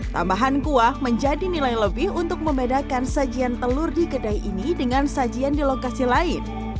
tambahan kuah menjadi nilai lebih untuk membedakan sajian telur di kedai ini dengan sajian di lokasi lain